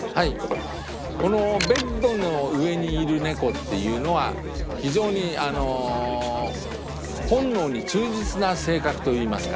このベッドの上にいる猫っていうのは非常にあの本能に忠実な性格といいますかね。